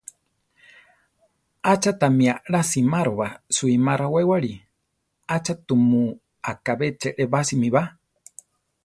¿Acha tami alá simároba suíma rawéwali? ¿acha tumu akabé cheʼrebásimi ba?